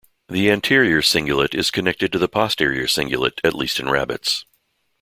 The anterior cingulate is connected to the posterior cingulate at least in rabbits.